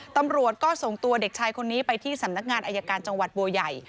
ตำรวจก็ส่งตัวเด็กชายคนนี้ไปที่สำนักงานอายการจังหวัดบัวใหญ่